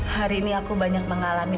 hari ini aku banyak mengalami